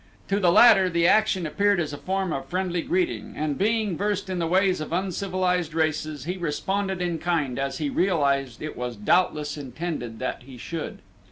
To the latter the action appeared as a form of friendly greeting and, being versed in the ways of uncivilized races, he responded in kind as he realized it was doubtless intended that he should.